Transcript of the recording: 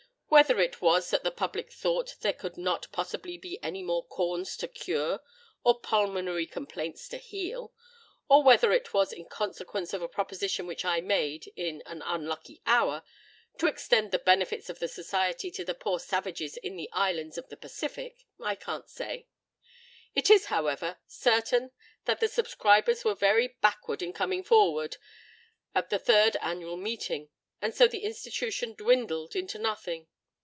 "Whether it was that the public thought there could not possibly be any more corns to cure or pulmonary complaints to heal,—or whether it was in consequence of a proposition which I made, in an unlucky hour, to extend the benefits of the Society to the poor savages in the islands of the Pacific,—I can't say: it is, however, certain that the subscribers were very 'backward in coming forward' at the third annual meeting; and so the institution dwindled into nothing.